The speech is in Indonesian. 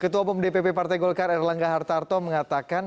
ketua bumdpp partai golkar erlangga hartarto mengatakan